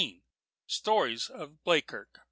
STORIES OF BLEAKIRK.